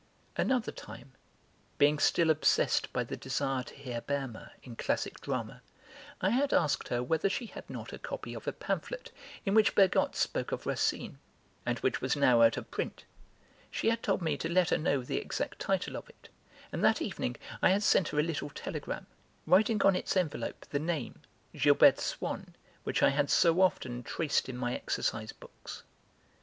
Another time, being still obsessed by the desire to hear Berma in classic drama, I had asked her whether she had not a copy of a pamphlet in which Bergotte spoke of Racine, and which was now out of print. She had told me to let her know the exact title of it, and that evening I had sent her a little telegram, writing on its envelope the name, Gilberte Swann, which I had so often, traced in my exercise books.